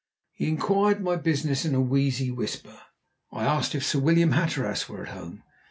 He inquired my business in a wheezy whisper. I asked if Sir William Hatteras were at home.